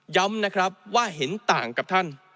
ย้ำนะครับว่าเห็นต่างกับท่าน